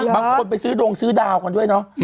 บางคนไปซื้อดงซื้อดาวกันด้วยเนาะ